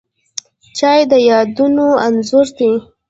چای د یادونو انځور دی